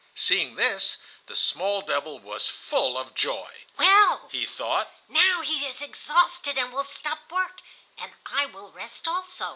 Seeing this, the small devil was full of joy. "Well," he thought, "now he is exhausted and will stop work, and I will rest also."